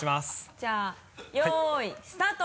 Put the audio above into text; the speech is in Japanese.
じゃあよいスタート。